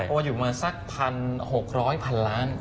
เพราะว่าอยู่มาสัก๑๖๐๐พันล้าน